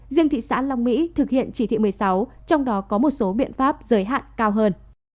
riêng thị xã long mỹ thực hiện chỉ thị một mươi sáu trong đó có một số biện pháp giới hạn cao hơn